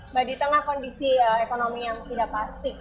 mbak di tengah kondisi ekonomi yang tidak pasti